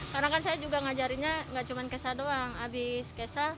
karena kan saya juga ngajarinya nggak cuma kesa doang abis kesa